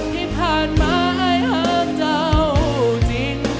ให้ผ่านมาไอ้ฮักเจ้าจริง